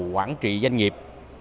quản trị doanh nghiệp